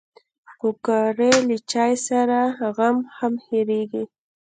پکورې له چای سره غم هم هېرېږي